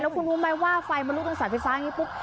คุณรู้ไหมว่าไฟมันลุกตรงสายไฟฟ้าอย่างนี้ปุ๊บ